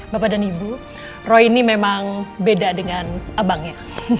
bapak dan ibu roy ini memang beda dengan abangnya